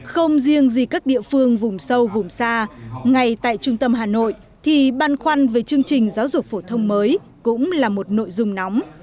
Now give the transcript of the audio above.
không riêng gì các địa phương vùng sâu vùng xa ngay tại trung tâm hà nội thì băn khoăn về chương trình giáo dục phổ thông mới cũng là một nội dung nóng